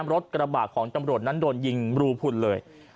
รถกระบะของตำรวจนั้นโดนยิงรูผุ่นเลย